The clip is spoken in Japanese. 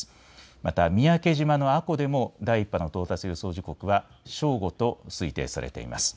また三宅島の阿古でも第１波の到達予想時刻は正午と推定されています。